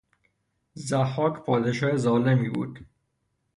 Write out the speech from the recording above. ضحاک پادشاه ظالمی بود